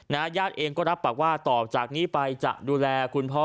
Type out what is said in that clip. ญาติเองก็รับปากว่าต่อจากนี้ไปจะดูแลคุณพ่อ